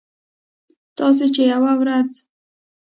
تاسې چې یوه ورځ